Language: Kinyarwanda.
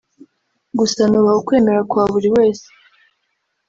gusa nubaha ukwemera kwa buri wese